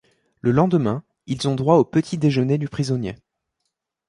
Le lendemain, ils ont droit au petit-déjeuner du prisonnier.